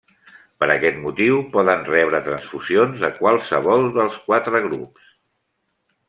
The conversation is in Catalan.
Per aquest motiu poden rebre transfusions de qualsevol dels quatre grups.